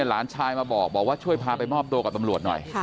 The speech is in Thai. หลานชายมาบอกว่าช่วยพาไปมอบตัวกับตำรวจหน่อย